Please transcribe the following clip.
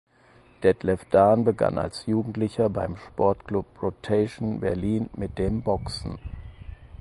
Detlef Dahn begann als Jugendlicher beim Sportclub "Rotation" Berlin mit dem Boxen.